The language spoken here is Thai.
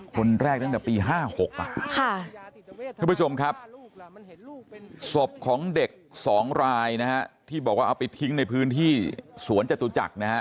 คนแรกตั้งแต่ปี๕๖ทุกผู้ชมครับศพของเด็ก๒รายนะฮะที่บอกว่าเอาไปทิ้งในพื้นที่สวนจตุจักรนะฮะ